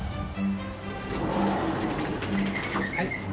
はい。